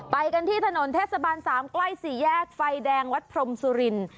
ไปกันที่ถนนเทศบาล๓ไฟแดงวัดพรมซุรินทร์